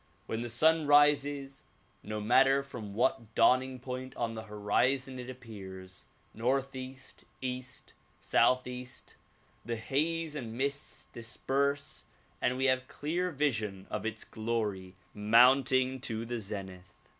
When the sun rises, no matter from what dawning point on the horizon it appears, northeast, east, southeast, the haze and mists disperse and we have clear vision of its glory mounting to the zenith.